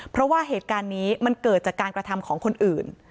เพราะว่าเหตุการณ์นี้มันเกิดจากการกระทำของคนอื่น